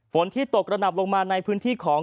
ที่ตกระหนับลงมาในพื้นที่ของ